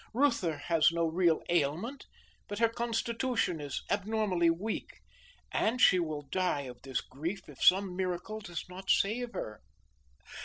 Reuther has no real ailment, but her constitution is abnormally weak, and she will die of this grief if some miracle does not save her.